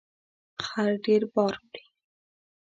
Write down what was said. خر ډیر بار وړي